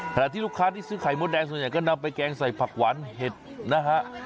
ขณะที่ลูกค้าที่ซื้อไข่มดแดงส่วนใหญ่ก็นำไปแกงใส่ผักหวานเห็ดนะฮะ